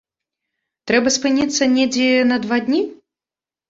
Трэба спыніцца недзе на два дні?